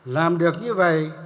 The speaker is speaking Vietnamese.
làm được như vậy